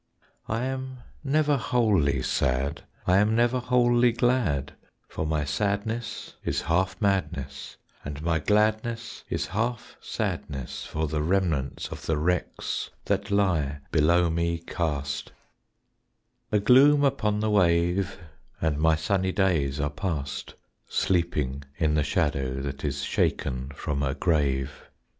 I am never wholly sad; I am never wholly glad; For my sadness is half madness And my gladness is half sadness For the remnants of the wrecks That lie below me cast A gloom upon the wave, And my sunny days are past Sleeping in the shadow That is shaken from a grave.